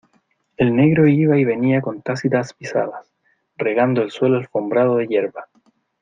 el negro iba y venía con tácitas pisadas, regando el suelo alfombrado de yerba.